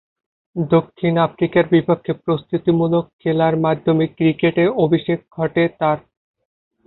দক্ষিণ আফ্রিকার বিপক্ষে প্রস্তুতিমূলক খেলার মাধ্যমে ক্রিকেটে অভিষেক ঘটে তার।